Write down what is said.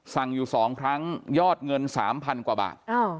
สั่งอยู่สองครั้งยอดเงินสามพันกว่าบาท